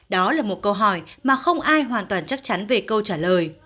đó là một câu hỏi mà không ai hoàn toàn chắc chắn về câu trả lời